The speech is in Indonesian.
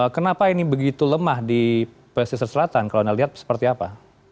kenapa ini begitu lemah di pesisir selatan kalau anda lihat seperti apa